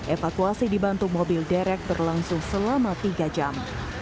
evakuasi dibantu mobil derek berlangsung selama tiga jam